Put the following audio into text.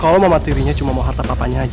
kalau mama tirinya cuma mau harta papanya aja